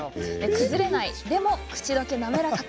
崩れない、でも口溶けなめらか。